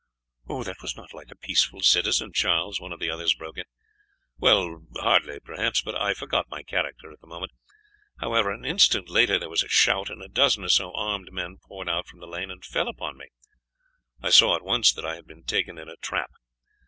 "That was not like a peaceful citizen, Charles," one of the others broke in. "Well, hardly, perhaps; but I forgot my character at the moment. However, an instant later there was a shout, and a dozen or so armed men poured out from the lane and fell upon me. I saw at once that I had been taken in a trap.